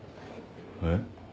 えっ？